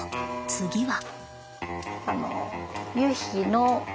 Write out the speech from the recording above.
次は。